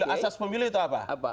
asas pemilih itu apa